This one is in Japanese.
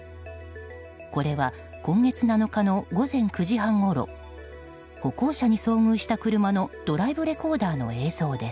これは今月７日の午前９時半ごろ歩行者に遭遇した車のドライブレコーダーの映像です。